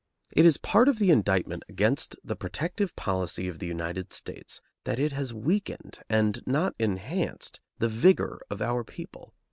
It is part of the indictment against the protective policy of the United States that it has weakened and not enhanced the vigor of our people.